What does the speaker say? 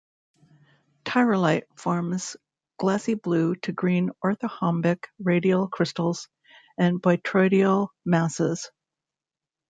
Tyrolite forms glassy blue to green orthorhombic radial crystals and botryoidal masses.